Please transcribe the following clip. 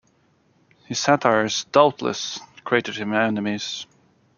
His satires doubtless created him enemies.